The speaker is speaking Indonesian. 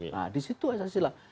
nah di situ asas islam